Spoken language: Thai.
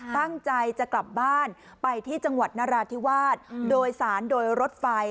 ตั้งใจจะกลับบ้านไปที่จังหวัดนราธิวาสโดยสารโดยรถไฟ